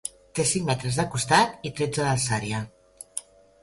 Té cinc metres de costat i tretze d'alçària.